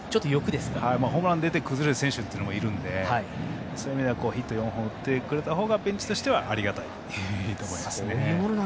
ホームランが出ることで崩れる選手もいるんでヒット４本打ってくれたほうがベンチとしてはありがたいと思います。